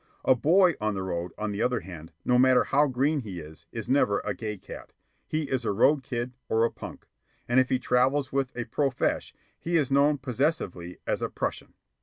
A boy on The Road, on the other hand, no matter how green he is, is never a gay cat; he is a road kid or a "punk," and if he travels with a "profesh," he is known possessively as a "prushun."